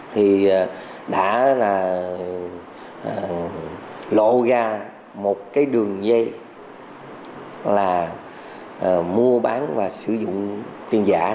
thì đã lộ ra một đường dây là mua bán và sử dụng tiền giả